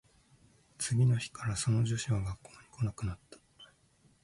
次の日からその女子は学校に来なくなった